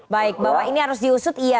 baik bahwa ini harus diusut iya